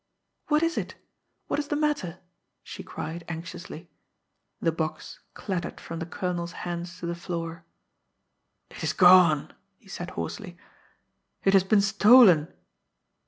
"What is it? What is the matter?" she cried anxiously. The box clattered from the colonel's hands to the floor. "It is gone!" he said hoarsely. "It has been stolen!"